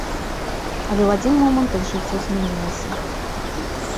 Але ў адзін момант іх жыццё змянілася.